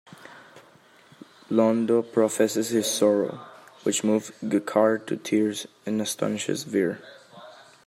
Londo professes his sorrow, which moves G'Kar to tears and astonishes Vir.